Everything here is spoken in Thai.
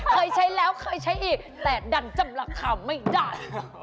เคยใช้แล้วเคยใช้อีกแบบแล้นจำลักษณ์ไม่ดัน